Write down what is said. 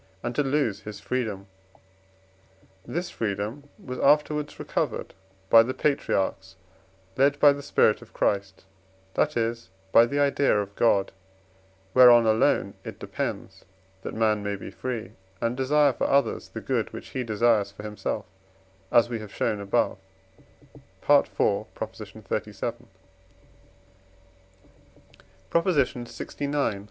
and to lose his freedom; this freedom was afterwards recovered by the patriarchs, led by the spirit of Christ; that is, by the idea of God, whereon alone it depends, that man may be free, and desire for others the good which he desires for himself, as we have shown above (IV. xxxvii.). PROP. LXIX.